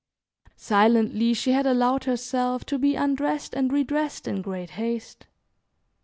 Silently she had allowed herself to be undressed, and redressed in great haste.